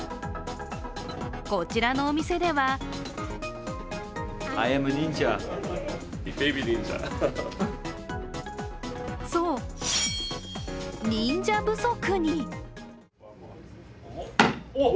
こちらのお店ではそう、忍者不足に。